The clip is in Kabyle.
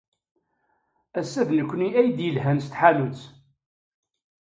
Ass-a d nekkni ay d-yelhan s tḥanut.